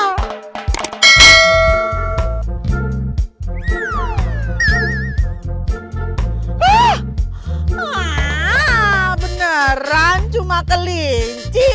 hah beneran cuma kelinci